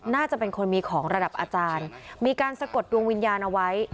น่าจะเป็นคนมีของระดับอาจารย์มีการสะกดดวงวิญญาณเอาไว้